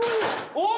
お。